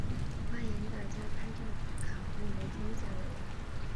欢迎大家拍照打卡和我们分享喔！